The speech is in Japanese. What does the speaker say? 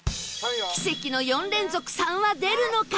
奇跡の４連続「３」は出るのか？